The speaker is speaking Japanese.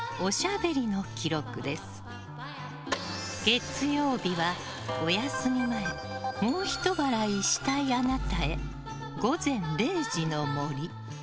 月曜日は、お休み前もうひと笑いしたいあなたへ。